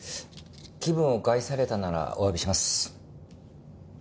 気分を害されたならおわびします。